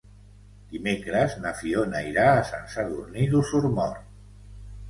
Dimecres na Fiona irà a Sant Sadurní d'Osormort.